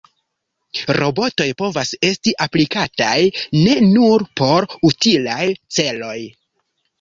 Robotoj povas esti aplikataj ne nur por utilaj celoj.